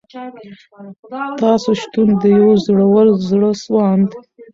تاسو شتون د یوه زړور، زړه سواند